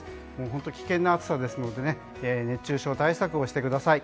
本当、危険な暑さですので熱中症対策をしてください。